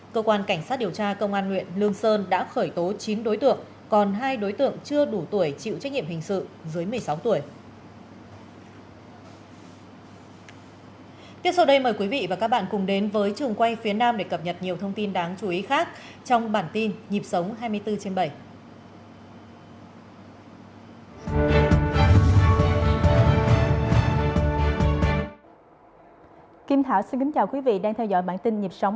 cơ quan cảnh sát điều tra công an huyện lương sơn đã khởi tố chín đối tượng còn hai đối tượng chưa đủ tuổi chịu trách nhiệm hình sự dưới một mươi sáu tuổi